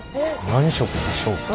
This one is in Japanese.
何色でしょうか。